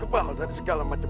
kepal dan segala macam